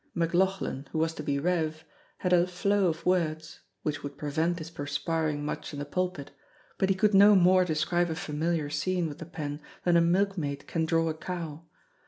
McLauchlan, who was to be Rev., had a flow of words (which would prevent his perspiring much in the pulpit), but he could no more describe a familiar scene with the pen than a milkmaid can draw a cow.